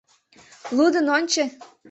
— Лудын ончо!